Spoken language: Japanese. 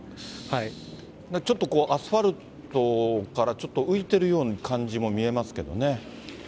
ちょっとアスファルトから、ちょっと浮いてるような感じも見えますけどね。